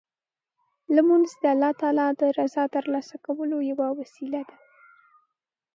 لمونځ د الله تعالی د رضا ترلاسه کولو یوه وسیله ده.